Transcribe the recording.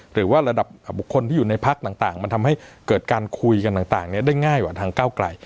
หรือว่าระดับบุคคลที่อยู่ในพักต่างมันทำให้เกิดการคุยกันต่างได้ง่ายกว่าทางก้าวไกล